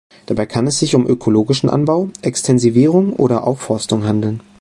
Dabei kann es sich um ökologischen Anbau, Extensivierung oder Aufforstung handeln.